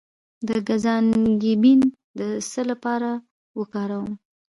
د ګز انګبین د څه لپاره وکاروم؟